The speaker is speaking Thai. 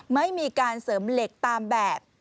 ไม่มีการเสริมเหล็กตามแบบ